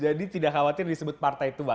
jadi tidak khawatir disebut partai tua